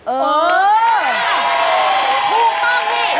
เออ